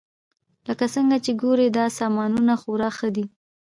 لکه څنګه چې ګورئ دا سامانونه خورا ښه دي